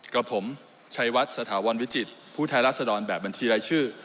กับผมชัยวัดสถาวรวิจิตผู้แทนรัศดรแบบบัญชีรายชื่อ